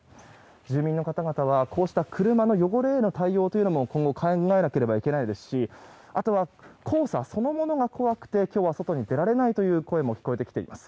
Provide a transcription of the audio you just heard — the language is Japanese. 住民の方々はこうした車の汚れへの対応も今後、考えなければいけないですしあとは、黄砂そのものが怖くて今日は外に出られないという声も聞かれます。